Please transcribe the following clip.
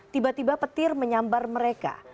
tiba tiba petir menyambar mereka